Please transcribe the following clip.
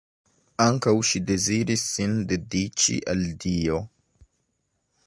Ankaŭ ŝi deziris sin dediĉi al Dio.